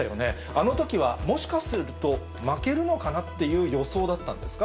あのときは、もしかすると負けるのかなっていう予想だったんですか。